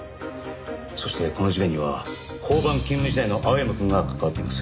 そしてこの事件には交番勤務時代の青山くんが関わっています。